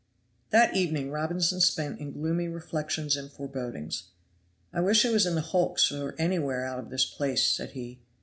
That evening Robinson spent in gloomy reflections and forebodings. "I wish I was in the hulks or anywhere out of this place," said he.